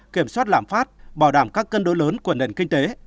kiểm soát lãm phát bảo đảm các cân đối lớn của nền kinh tế